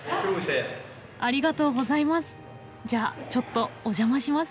ありがとうございます。